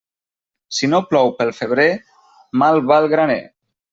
Si no plou pel febrer, mal va el graner.